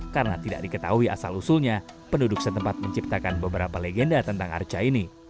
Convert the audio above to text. karena tidak diketahui asal usulnya penduduk setempat menciptakan beberapa legenda tentang arca ini